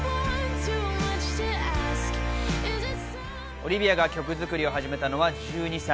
オリヴィアが曲作りを始めたのは１２歳。